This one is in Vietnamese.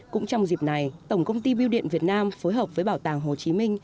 cũng trong dịp này tổng công ty biêu điện việt nam phối hợp với bảo tàng hồ chí minh